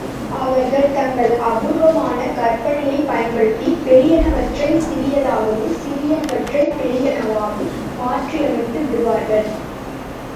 அவர்கள் தங்கள் அபூர்வமான கற்பனையைப் பயன்படுத்திப் பெரியனவற்றைச் சிறியதாகவும் சிறியனவற்றைப் பெரியனவாகவும் மாற்றியமைத்து விடுவார்கள்.